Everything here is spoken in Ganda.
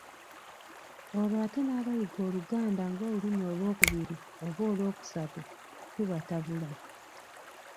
Olwo ate n'abayiga Oluganda ng’olulimi olwokubiri oba olwokusatu tubatabula.